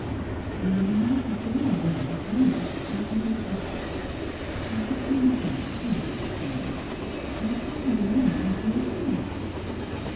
" I am not at all aware of any such person's existence. Let go my hand, please. Lord Paulyn ; you are pressing the rings into my fingers."